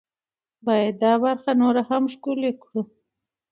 باید دا برخه نوره هم ښکلې کړو.